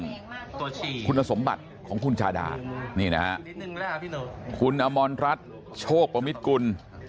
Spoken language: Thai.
เรียนเรื่องคุณสมบัติของคุณชาดานี่นะครับคุณอมรรทชกประมิติกุล